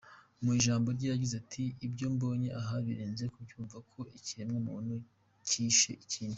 Mu ijambo rye, yagize ati “Ibyo mbonye aha birenze kubyumva, uko ikiremwamuntu cyishe ikindi.